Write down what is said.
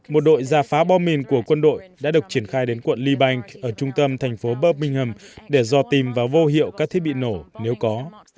một đội giả phá bom mìn của quân đội đã được triển khai đến quận libank ở trung tâm thành phố berbing hầm để dò tìm và vô hiệu các thiết bị nổ nếu có